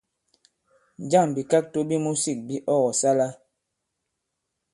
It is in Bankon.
Njâŋ bìkakto bi musik bi ɔ kɔ̀sala ?